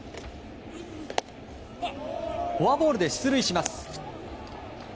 フォアボールで出塁します。